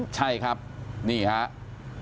ใช่ครับนี่ครับ